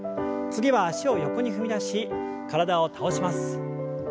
次は脚を横に踏み出し体を倒します。